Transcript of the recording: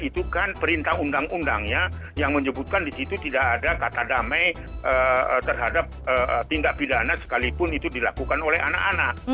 itu kan perintah undang undangnya yang menyebutkan di situ tidak ada kata damai terhadap tindak pidana sekalipun itu dilakukan oleh anak anak